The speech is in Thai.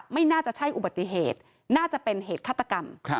ไม่น่าจะใช่อุบัติเหตุน่าจะเป็นเหตุฆาตกรรม